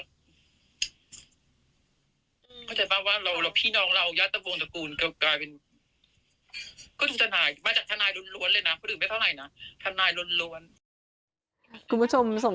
เข้าใจมั้ยว่าพี่น้องเราย่าตะวงตระกูลกลายเป็น